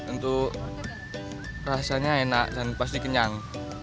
untuk rasanya enak dan pasti kenyang